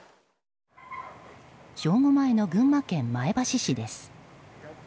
正午前の群馬県前橋市です。